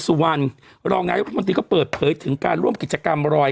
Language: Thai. สุวรรณรองนายกรัฐมนตรีก็เปิดเผยถึงการร่วมกิจกรรมรอย